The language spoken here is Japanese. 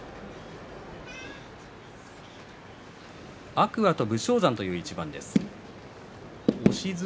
天空海と武将山という一番です。